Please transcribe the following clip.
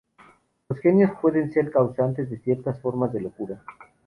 Los genios pueden ser causantes de ciertas formas de locura.